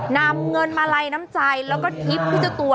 นำเงินมาลัยน้ำใจแล้วก็ทิศพิจารณ์ตัว